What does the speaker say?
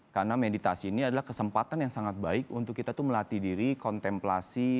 karena meditasi ini adalah kesempatan yang sangat baik untuk kita melatih diri kontemplasi